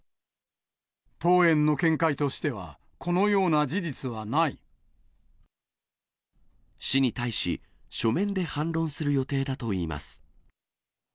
当園の見解としては、このよ市に対し、書面で反論する予定だといいます。